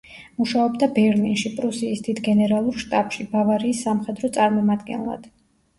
მუშაობდა ბერლინში, პრუსიის დიდ გენერალურ შტაბში, ბავარიის სამხედრო წარმომადგენლად.